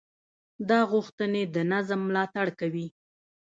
دا غوښتنې د نظم ملاتړ کوي.